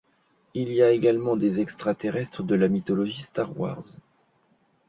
Il y a également des Extra-Terrestres de la mythologie Star Wars.